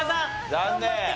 残念。